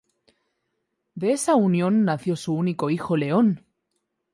De esa unión nació su único hijo León.